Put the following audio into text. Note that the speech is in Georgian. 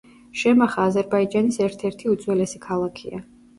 შემახა აზერბაიჯანის ერთ-ერთი უძველესი ქალაქია.